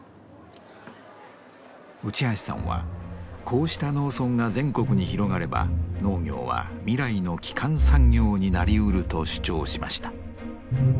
内橋さんはこうした農村が全国に広がれば農業は未来の基幹産業になりうると主張しました。